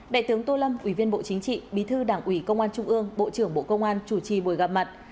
đại tướng tô lâm ủy viên bộ chính trị bí thư đảng ủy công an trung ương bộ trưởng bộ công an chủ trì buổi gặp mặt